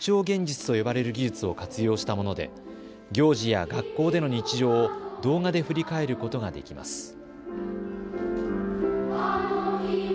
現実と呼ばれる技術を活用したもので行事や学校での日常を動画で振り返ることができます。